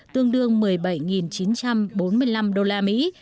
tương đương một mươi bảy chín trăm bốn mươi năm đô la mỹ